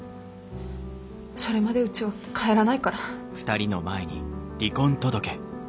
それまでうちは帰らないから。